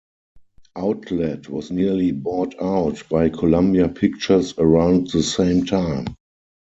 Outlet was nearly bought out by Columbia Pictures around the same time.